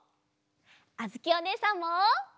あづきおねえさんも！